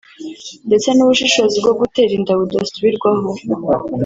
ndetse n’ubushobozi bwo gutera inda budasubirwaho